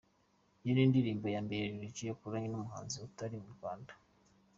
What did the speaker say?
Niyo ndirimbo ya mbere Lil G akoranye n’umuhanzi utari uwo mu Rwanda.